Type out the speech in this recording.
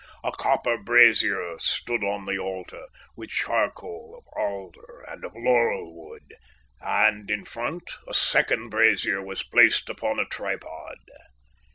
A copper brazier stood on the altar, with charcoal of alder and of laurel wood, and in front a second brazier was placed upon a tripod.